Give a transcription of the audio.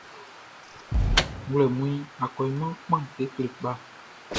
Nglɛmunʼn, akɔɲinmanʼn kpan kekle kpa.